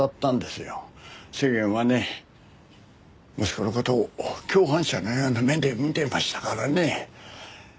世間はね息子の事を共犯者のような目で見てましたからね。